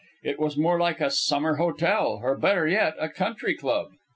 It was more like a summer hotel, or, better yet, a country club.